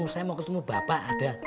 saya mau ketemu bapak ada